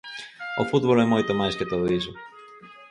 O fútbol é moito máis que todo iso.